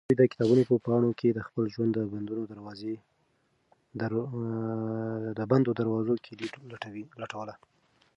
هغوی د کتابونو په پاڼو کې د خپل ژوند د بندو دروازو کیلي لټوله.